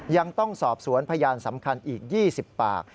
ยังต้องสอบสวนพยานสำคัญอีก๒๐ปาก